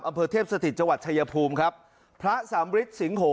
อำเภอเทพสถิตจังหวัดชายภูมิครับพระสำริทสิงโห